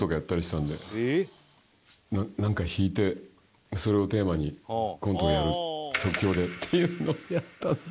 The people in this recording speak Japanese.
なんか引いてそれをテーマにコントをやる即興でっていうのをやったんですけど。